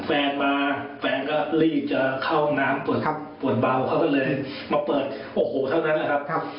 แฟนมาแฟนก็รีบจะเข้าห้องน้ำปวดทับปวดเบาเขาก็เลยมาเปิดโอ้โหเท่านั้นแหละครับ